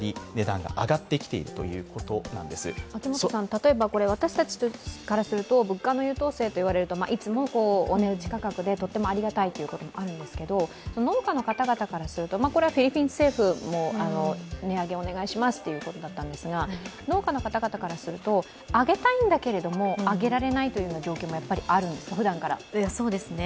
例えば、私たちからすると物価の優等生と言われると、いつもお値打ち価格でとてもありがたいということもあるんですけど農家の方々からするとこれはフィリピン政府も値上げをお願いしますということだったんですが、農家の方々からすると上げたいんだけれども上げられないという状況もふだんからあるんですか？